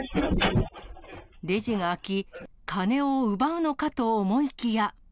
レジが開き、金を奪うのかと思いきや。